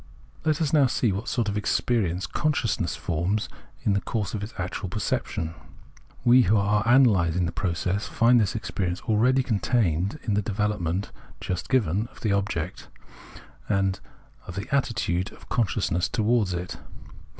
Let us now see what sort of experience consciousness forms in the course of its actual perception. We, who are analysing the process, find this experience already contained in the development (just given) of the object and of the attitude of consciousness towards it.